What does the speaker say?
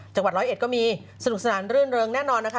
จังหวัด๑๐๑ก็มีสนุกสนานเรื่องแน่นอนนะคะ